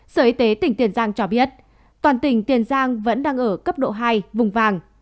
sở y tế tỉnh tiền giang cho biết toàn tỉnh tiền giang vẫn đang ở cấp độ hai vùng vàng